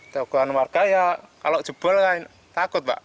tanggul warga ya kalau jebol kan takut pak